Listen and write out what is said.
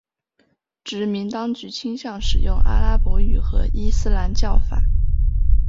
殖民当局倾向使用阿拉伯语和伊斯兰教法。